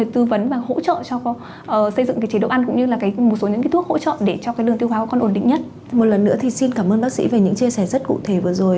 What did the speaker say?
thời gian cho chương trình